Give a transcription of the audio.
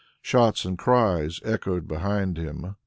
Shots and cries echoed behind him.